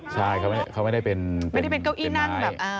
ใช่เขาไม่ได้เป็นเก้าอี้นั่ง